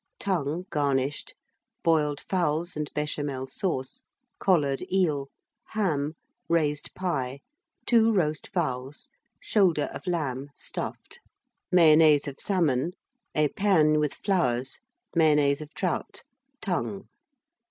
Tongue, garnished. Boiled Fowls and Béchamel Sauce. Collared Eel. Ham. Raised Pie. Two Roast Fowls. Shoulder of Lamb, stuffed. Mayonnaise of Salmon. Epergne, with Flowers. Mayonnaise of Trout. Tongue.